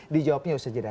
dijawabnya usah jeda